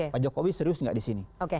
pak jokowi serius gak disini